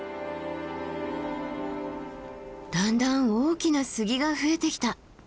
だんだん大きな杉が増えてきた。